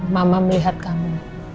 mama melihat kamu